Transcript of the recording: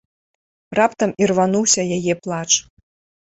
Раптам ірвануўся яе плач.